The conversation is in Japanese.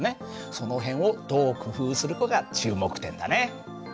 その辺をどう工夫するかが注目点だね。